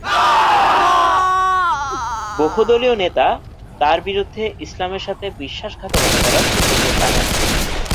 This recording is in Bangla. বহু দলীয় নেতা তার বিরুদ্ধে ইসলামের সাথে বিশ্বাসঘাতকতা করার অভিযোগ আনেন।